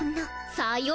さよう。